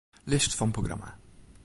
List fan programma.